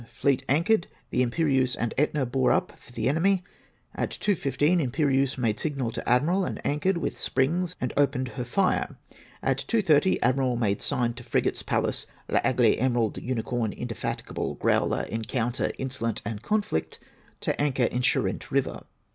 Fleet anchored; the /m perieuse and Etna bore up for the enemy. At 2 15 Im perieiise made signal to Admiral and anchored with springs and opened her fire. At 2*30 Admiral made sign to frigates Pallas, L'Aigle, Emerald, Unicorn, Indefatigable, Growler, Encounter, Insolent and Conflict to anchor in Charente River.